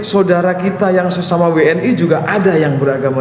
saudara kita yang sesama wni juga ada yang beragama